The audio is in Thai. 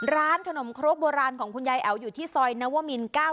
ร้านขนมครกโบราณของคุณยายแอ๋วอยู่ที่ซอยนวมิน๙